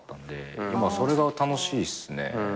今それが楽しいっすね。